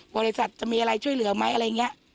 บริษัทจะมีอะไรช่วยเหลือไหมอะไรอย่างนี้